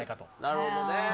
なるほどね。